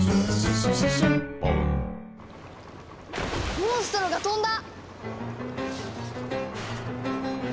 モンストロが飛んだ！